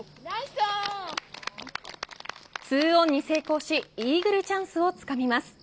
２オンに成功しイーグルチャンスをつかみます。